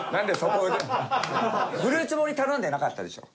フルーツ盛り頼んでなかったでしょ？